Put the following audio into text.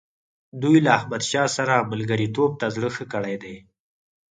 دوی له احمدشاه سره ملګرتوب ته زړه ښه کړی دی.